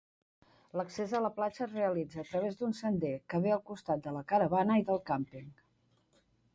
L'accés a la platja es realitza a través d'un sender que ve al costat de la caravana i del càmping.